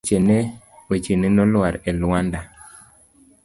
Wechene go nolwar e lwanda.